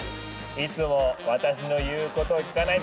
いつも私の言うこと聞かない罰です！